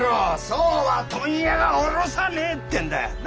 そうは問屋が卸さねえってんだ。なあ！